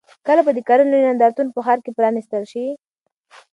کله به د کرنې لوی نندارتون په ښار کې پرانیستل شي؟